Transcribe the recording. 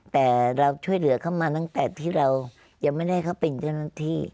แต่เราช่วยเหลือเขามาตั้งแต่ที่เรายังไม่ได้เขาเป็นเจ้าหน้าที่